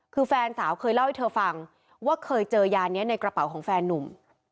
คือแฟนสาวเคยเล่าให้เธอฟังว่าเคยเจอยานี้ในกระเป๋าของแฟนนุ่ม